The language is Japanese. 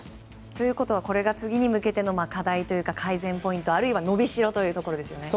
ということはこれが次に向けての課題というか改善ポイント、あるいは伸びしろというところですね。